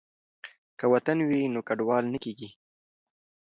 که وطن وي نو کډوال نه کیږي.